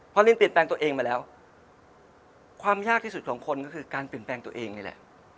พอลินเปลี่ยนแปลงตัวเองมาแล้วความยากที่สุดของคนก็คือการเปลี่ยนแปลงตัวเองนี่แหละ